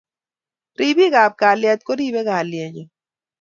ripikap kalyet koribei kalyenyo